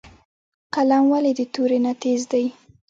قلم ولې د تورې نه تېز دی؟